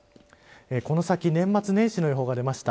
この先、年末年始の予報が出ました。